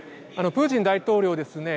プーチン大統領ですね。